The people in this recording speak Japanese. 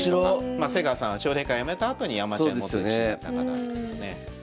まあ瀬川さんは奨励会やめたあとにアマチュア戻って棋士になった方ですけどね。